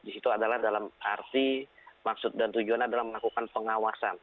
di situ adalah dalam arti maksud dan tujuan adalah melakukan pengawasan